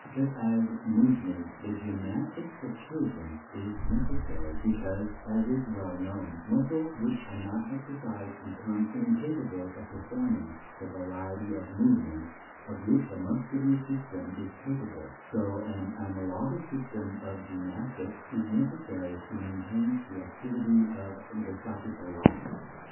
Just as movement, the gymnastics of children, is necessary, because, as is well known, muscles which are not exercised become incapable of performing the variety of movements of which the muscular system is capable, so an analogous system of gymnastics is necessary to maintain the activity of the psychical life.